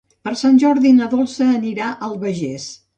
Per Sant Jordi na Dolça anirà a l'Albagés.